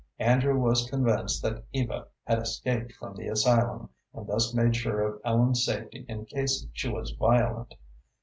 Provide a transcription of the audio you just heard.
Andrew was convinced that Eva had escaped from the asylum, and thus made sure of Ellen's safety in case she was violent.